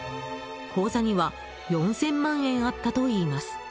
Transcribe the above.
口座には４０００万円あったといいます。